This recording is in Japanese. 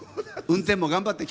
運転も頑張って。